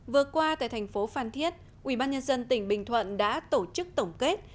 vừa qua tại thành phố phan thiết ubnd tỉnh bình thuận đã tổ chức tổng kết